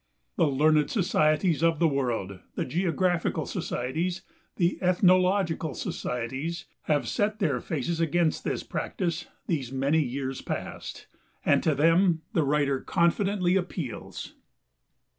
The learned societies of the world, the geographical societies, the ethnological societies, have set their faces against this practice these many years past, and to them the writer confidently appeals.